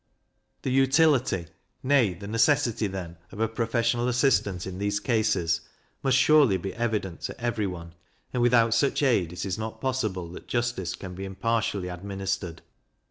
The utility, nay the necessity, then, of a professional assistant in these cases, must surely be evident to every one, and without such aid it is not possible that justice can be impartially administered.